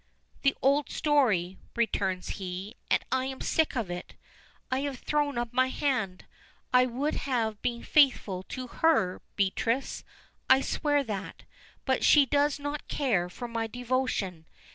"The old story," returns he, "and I am sick of it. I have thrown up my hand. I would have been faithful to her, Beatrice. I swear that, but she does not care for my devotion.